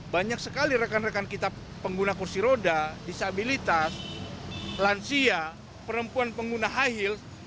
banyak sekali rekan rekan kita pengguna kursi roda disabilitas lansia perempuan pengguna high heels